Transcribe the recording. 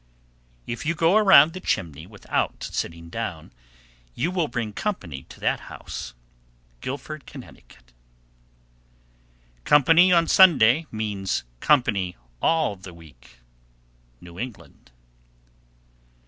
If you go around the chimney without sitting down, you will bring company to that house. Guilford, Conn. 743. Company on Sunday means company all the week. _New England.